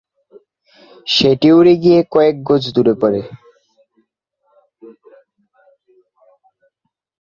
সেটি উড়ে গিয়ে কয়েক গজ দূরে পড়ে।